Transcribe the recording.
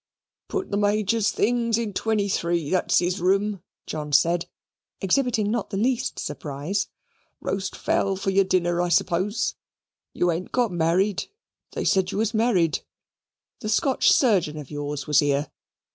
"Put the Major's things in twenty three, that's his room," John said, exhibiting not the least surprise. "Roast fowl for your dinner, I suppose. You ain't got married? They said you was married the Scotch surgeon of yours was here.